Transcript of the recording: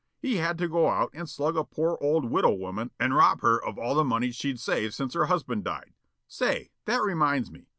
He had to go out and slug a poor old widow woman and rob her of all the money she'd saved since her husband died say, that reminds me.